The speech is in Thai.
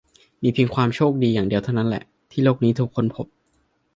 มีเพียงความโชคดีอย่างเดียวเท่านั้นแหละ ที่โลกนี้ถูกค้นพบ